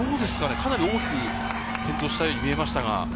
かなり大きく転倒したように見えましたが。